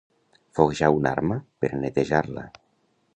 Foguejar una arma per a netejar-la.